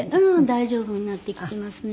大丈夫になってきていますね。